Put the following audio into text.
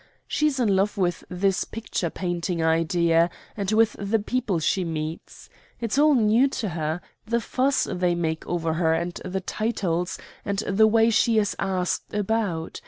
She's in love with this picture painting idea, and with the people she meets. It's all new to her the fuss they make over her and the titles, and the way she is asked about.